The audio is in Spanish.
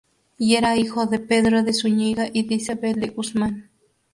Y era hijo de Pedro de Zúñiga y de Isabel de Guzmán.